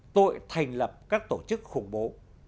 tội thành lập các tổ chức khủng bố